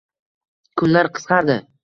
Kunlar qisqardi